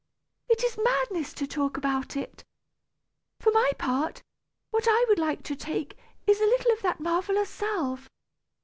It is madness to talk about it. For my part, what I would like to take, is a little of that marvellous salve.